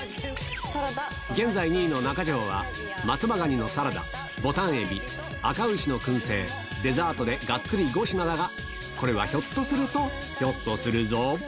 現在２位の中条は、松葉蟹のサラダ、ボタン海老、あか牛の燻製、デザートでがっつり５品だが、これはひょっとすると、ひょっとするぞ。